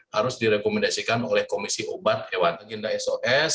harus direkomendasikan oleh komisi obat ewan tenggenda sos